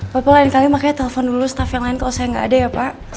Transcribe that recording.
gapapa lain kali makanya telpon dulu staff yang lain kalau saya gak ada ya pak